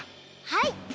はい！